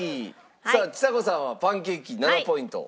さあちさ子さんはパンケーキ７ポイント。